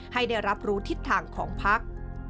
ให้ได้รับรู้ทิศทางของพัก